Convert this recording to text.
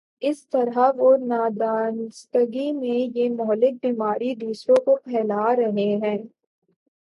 اس طرح وہ نادانستگی میں یہ مہلک بیماری دوسروں کو پھیلا رہے ہیں۔